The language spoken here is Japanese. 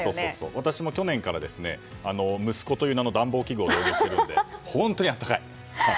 私も去年から息子という名前の暖房器具を導入しているので本当にあったかい。